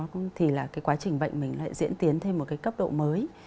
ngưng thuốc có vậy thì là cái quá trình bệnh mình lại diễn tiến thêm một cái cấp độ mới